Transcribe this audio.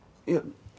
いや。